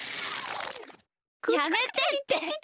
やめてって。